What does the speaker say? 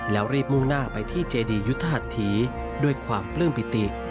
แล้วรีบมุ่งหน้าไปที่เจดียุทธหัสถีด้วยความปลื้มปิติ